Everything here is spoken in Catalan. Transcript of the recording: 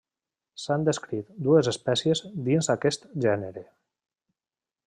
S'han descrit dues espècies dins aquest gènere.